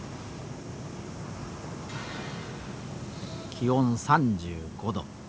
気温３５度。